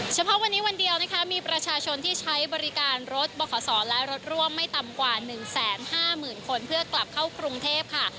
เฉพาะวันนี้วันเดียวนะคะมีประชาชนที่ใช้บริการรถบขศและรถร่วมไม่ต่ำกว่า๑๕๐๐๐คนเพื่อกลับเข้ากรุงเทพค่ะ